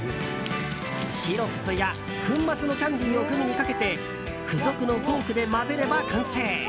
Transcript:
シロップや粉末のキャンディーをグミにかけて付属のフォークで混ぜれば完成。